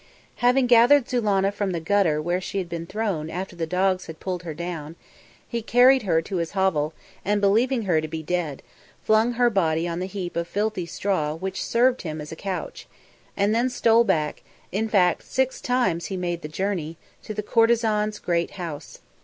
Having gathered Zulannah from the gutter where she had been thrown after the dogs had pulled her down, he carried her to his hovel and, believing her to be dead, flung her body on the heap of filthy straw which served him as couch, and then stole back in fact, six times he made the journey to the courtesan's great house.